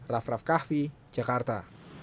raff raff kahvi jakarta